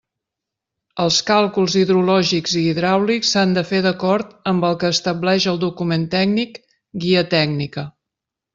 Els càlculs hidrològics i hidràulics s'han de fer d'acord amb el que estableix el document tècnic Guia tècnica.